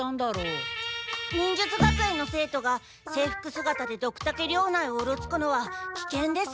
忍術学園の生徒が制服姿でドクタケ領内をうろつくのは危険です。